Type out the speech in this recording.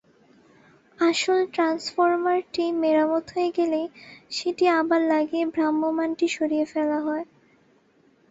আসল ট্রান্সফরমারটি মেরামত হয়ে গেলেই সেটি আবার লাগিয়ে ভ্রাম্যমাণটি সরিয়ে ফেলা হয়।